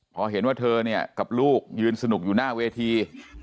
เพราะเห็นว่าเธอกับลูกยืนสนุกอยู่หน้าเวที